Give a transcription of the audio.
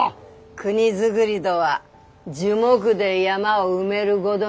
「国づぐりどは樹木で山を埋めるごどにあり」。